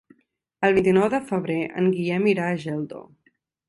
El vint-i-nou de febrer en Guillem irà a Geldo.